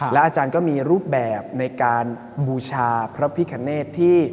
อาจารย์ก็มีรูปแบบในการบูชาพระพิคเนตที่